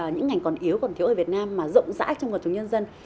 những ngành còn yếu còn thiếu ở việt nam mà rộng rãi trong cộng đồng nhân dân